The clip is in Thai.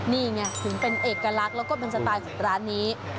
นี่ไงถึงเป็นเอกลักษณ์แล้วก็เป็นสไตล์ของร้านนี้